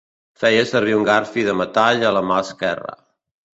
Feia servir un garfi de metall a la mà esquerra.